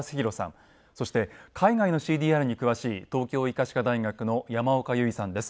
そして海外のＣＤＲに詳しい東京医科歯科大学の山岡佑衣さんです。